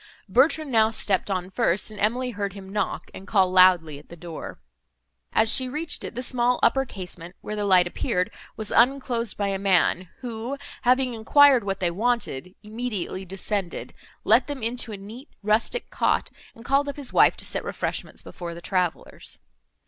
Bertrand now stepped on first, and Emily heard him knock, and call loudly at the door. As she reached it, the small upper casement, where the light appeared, was unclosed by a man, who, having enquired what they wanted, immediately descended, let them into a neat rustic cot, and called up his wife to set refreshments before the travellers.